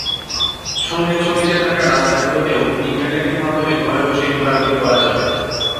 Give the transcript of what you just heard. সঙ্গে ছবিতে থাকা রাস্তাগুলোতেও ইন্টারনেটের মাধ্যমে ঘরে বসেই ঘোরাঘুরি করা যাবে।